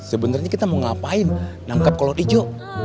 sebenarnya kita mau ngapain nangkap kalau ijo